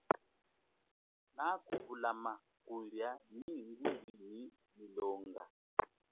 Nakuvulama kulia nyi nguli nyi milimo.